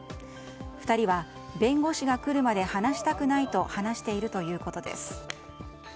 ２人は弁護士が来るまで話したくないと話しているということです。